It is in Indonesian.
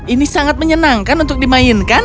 ini sangat menyenangkan untuk dimainkan